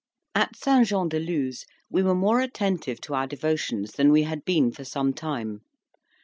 At St Jean de Luz, we were more attentive to our devotions than we had been for some time.